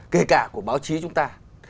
kể cả của báo chí chúng ta